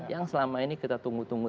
yang selama ini kita tunggu tunggu